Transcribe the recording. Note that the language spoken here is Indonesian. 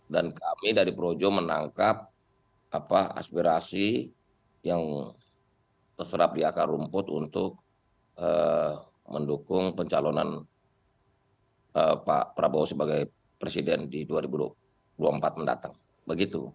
dan kami dari projo menangkap aspirasi yang terserap di akar rumput untuk mendukung pencalonan pak prabowo sebagai presiden di dua ribu dua puluh empat mendatang begitu